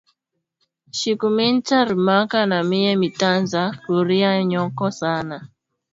Shiku minta rimaka namiye mitanza kuria myoko sana